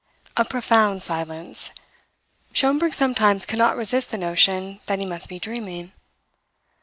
A profound silence. Schomberg sometimes could not resist the notion that he must be dreaming.